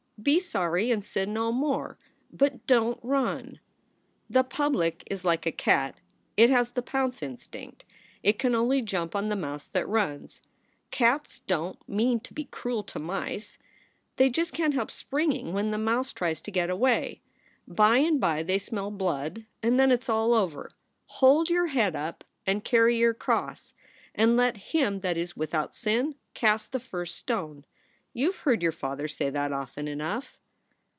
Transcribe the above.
Be sorry, and sin no more. But don t run! "The public is like a cat. It has the pounce instinct. It can only jump on the mouse that runs. Cats don t mean to be cruel to mice. They just can t help springing when the mouse tries to get away. By and by they smell blood, and then it s all over. Hold your head up and carry your cross. And let him that is without sin cast the first stone. You ve heard your father say that often enough."